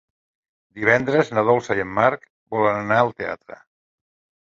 Divendres na Dolça i en Marc volen anar al teatre.